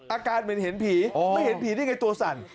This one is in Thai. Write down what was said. อาการเหมือนเห็นผีไม่เห็นผีนี่ไงตัวสั่น